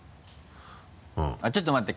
あっちょっと待って！